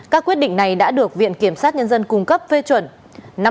các quyết định này đã được viện kiểm sát nhân dân cung cấp phê chuẩn